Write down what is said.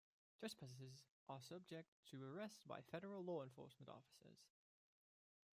Trespassers are subject to arrest by Federal law enforcement officers.